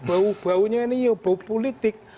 bau baunya ini ya bau politik